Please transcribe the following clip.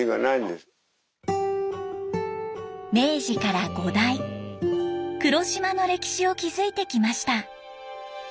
明治から五代黒島の歴史を築いてきました。